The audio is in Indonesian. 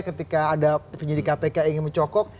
ketika ada penyidik kpk ingin mencokok